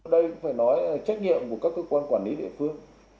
đây cũng phải nói trách nhiệm của các cơ quan quản lý địa phương